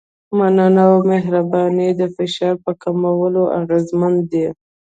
مننه او مهرباني د فشار په کمولو اغېزمن دي.